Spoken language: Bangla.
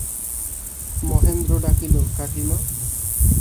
মহেন্দ্র ডাকিল, কাকীমা!